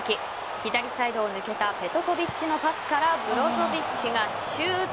左サイドを抜けたペトコヴィッチからブロゾヴィッチがシュート。